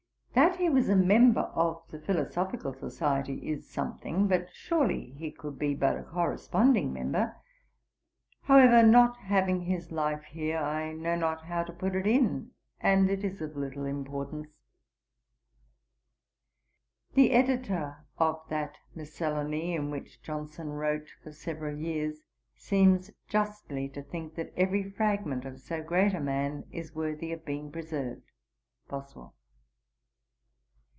That he was a member of the Philosophical Society is something; but surely he could be but a corresponding member. However, not having his life here, I know not how to put it in, and it is of little importance.' See several more in The Gent. Mag., 1785. The Editor of that Miscellany, in which Johnson wrote for several years, seems justly to think that every fragment of so great a man is worthy of being preserved. BOSWELL.